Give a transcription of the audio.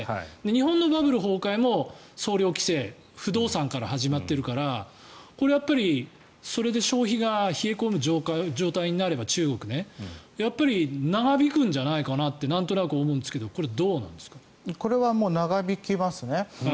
日本のバブル崩壊も総量規制不動産から始まっているからそれで中国の消費が冷え込む状態になれば長引くんじゃないかなってなんとなく思うんですがこれは長引きますね。